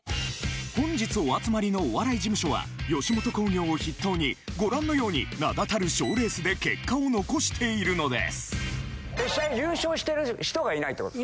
本日お集まりのお笑い事務所は吉本興業を筆頭にご覧のように名だたる賞レースで結果を残しているのです優勝してる人がいないってこと。